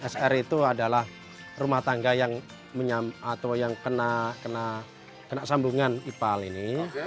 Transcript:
sr itu adalah rumah tangga yang kena sambungan ipal ini